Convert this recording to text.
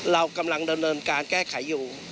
เรากำลังดำเนินการแก้ไขอยู่